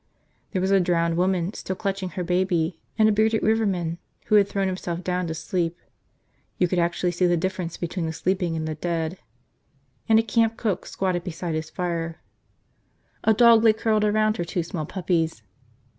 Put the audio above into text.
There was a drowned woman still clutching her baby, and a bearded riverman who had thrown himself down to sleep – you could actually see the difference between the sleeping and the dead – and a camp cook squatted beside his fire. A dog lay curled around her two small puppies.